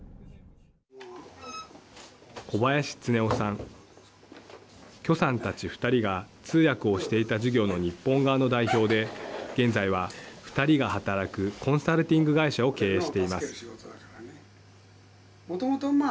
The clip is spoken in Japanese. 古林恒雄さん許さんたち２人が通訳をしていた事業の日本側の代表で現在は２人が働くコンサルティング会社を経営しています。